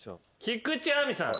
菊地亜美さん。